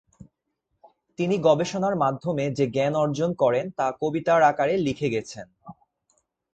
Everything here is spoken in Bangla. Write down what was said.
তিনি গবেষণার মাধ্যমে যে জ্ঞান অর্জন করেন, তা কবিতার আকারে লিখে গেছেন।